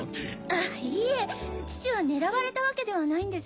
あっいいえ父は狙われたわけではないんです。